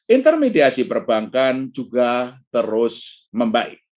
intermediasi perbankan juga terus membaik